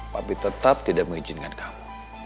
tapi tetap tidak mengizinkan kamu